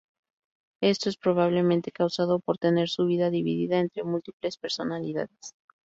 Esto es probablemente causado por tener su vida dividida entre múltiples personalidades.